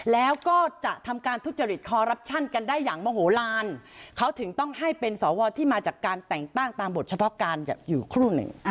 แล้วก็จะทำการทุจริตคอรัปชั่นกันได้อย่างโมโหลานเขาถึงต้องให้เป็นสวที่มาจากการแต่งตั้งตามบทเฉพาะการอยู่ครู่หนึ่ง